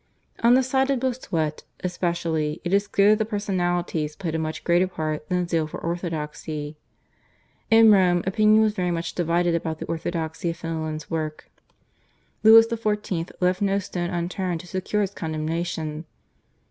On the side of Bossuet especially it is clear that personalities played a much greater part than zeal for orthodoxy. In Rome opinion was very much divided about the orthodoxy of Fenelon's work. Louis XIV. left no stone unturned to secure its condemnation.